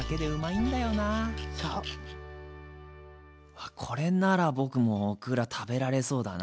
あこれなら僕もオクラ食べられそうだな。